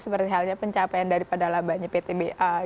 seperti halnya pencapaian daripada labanya ptba